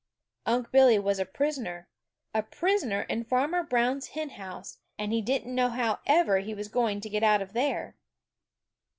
Unc' Billy was a prisoner, a prisoner in Farmer Brown's hen house, and he didn't know how ever he was going to get out of there.